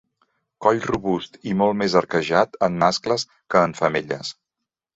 Coll robust i molt més arquejat en mascles que en femelles.